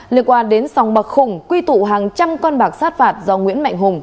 liên quan đến sòng bạc khủng quy tụ hàng trăm con bạc sát phạt do nguyễn mạnh hùng